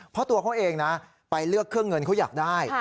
เพราะตัวเขาเองนะไปเลือกเครื่องเงินเขาอยากได้